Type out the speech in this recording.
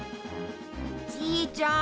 じいちゃん